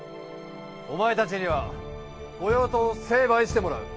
お前たちには御用盗を成敗してもらう。